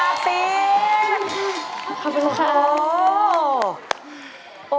โอ้โฮ